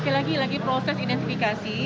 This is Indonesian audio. lagi lagi proses identifikasi